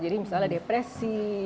jadi misalnya depresi